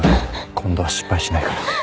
今度は失敗しないから。